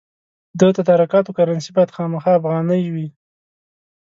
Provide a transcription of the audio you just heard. د تدارکاتو کرنسي باید خامخا افغانۍ وي.